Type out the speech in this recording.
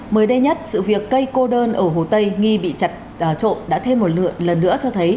mới đây nhất sự việc cây cô đơn ở hồ tây nghi bị chặt trộn đã thêm một lần nữa cho thấy